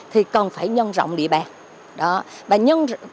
thì cần phải nhân rộng địa bàn